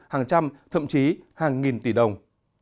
hàng trăm thậm chí hàng nghìn tỷ đồng